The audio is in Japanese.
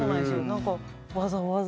何かわざわざ。